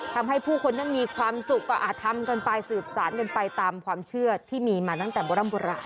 ทำให้ผู้คนนั้นมีความสุขก็ทำกันไปสืบสารกันไปตามความเชื่อที่มีมาตั้งแต่โบร่ำโบราณ